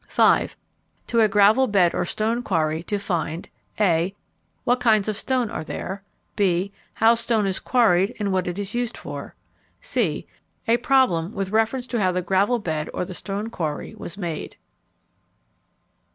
5. To a gravel bed or stone quarry to find (a) What kinds of stone are there. (b) How stone is quarried and what it is used for. (c) A problem with reference to how the gravel bed or the stone quarry was made.